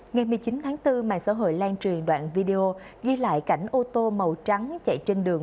ngày một mươi chín tháng bốn mạng xã hội lan truyền đoạn video ghi lại cảnh ô tô màu trắng chạy trên đường